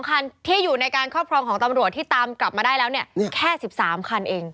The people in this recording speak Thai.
คันที่อยู่ในการครอบครองของตำรวจที่ตามกลับมาได้แล้วเนี่ยแค่๑๓คันเอง